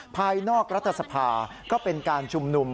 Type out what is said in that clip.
ภายนอกรัฐสภาก็เป็นการชุมนุม